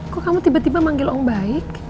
kok kamu tiba tiba manggil om baik